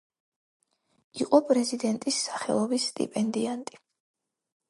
იყო პრეზიდენტის სახელობის სტიპენდიანტი.